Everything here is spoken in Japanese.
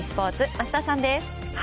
桝田さんです。